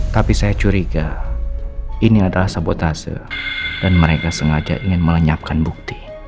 tapi saya curiga ini adalah sabotase dan mereka sengaja ingin melenyapkan bukti